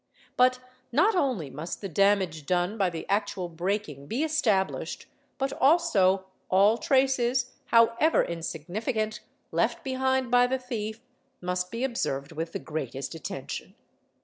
; But not only must the damage done by the actual breaking be esta ; blished but also all traces, however insignificant, left behind by the thief ; must be observed with the greatest attention